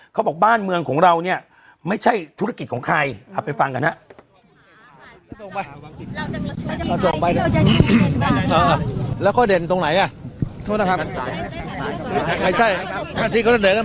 เขาบอกบ้านเมืองของเราเนี่ยไม่ใช่ธุรกิจของใครเอาไปฟังกันฮะ